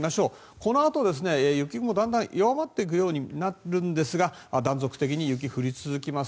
このあと雪雲、だんだん弱まっていくようになるんですが断続的に雪が降り続きます。